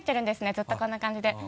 ずっとこんな感じで。